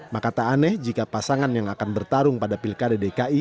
makata aneh jika pasangan yang akan bertarung pada pilkade dki